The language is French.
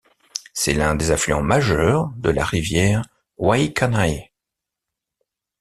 C’est l’un des affluents majeurs de la rivière Waikanae.